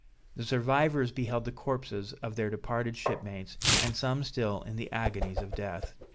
The survivors beheld the corpses of their departed shipmates, and some still in the agonies of death.